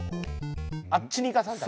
あっちに行かさんと。